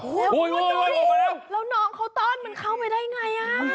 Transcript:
อุ้ยน้องเขาต้อนเข้ามาได้ไงมาได้ไง